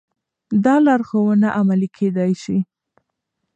دا لارښوونه عملي کېدای شي.